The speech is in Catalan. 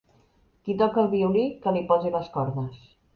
Qui toca el violí, que li posi les cordes.